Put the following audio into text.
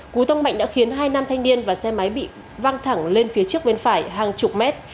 cú tông mạnh đã khiến hai nam thanh niên và xe máy bị văng thẳng lên phía trước bên phải hàng chục mét